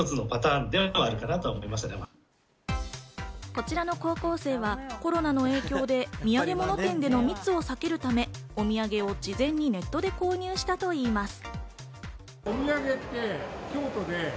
こちらの高校生は、コロナの影響で土産物店での密を避けるため、お土産を事前にネットで購入したといいます。